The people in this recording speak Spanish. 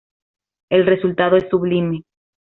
El resultado es sublime’’.